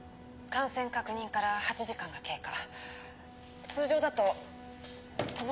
感染確認から１５時間が経過。